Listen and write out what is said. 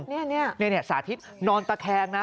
นี่นี่เนี่ยสาธิตนอนตะแคงน่ะ